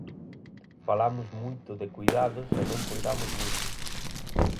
Falamos moito de coidados e non coidamos moito.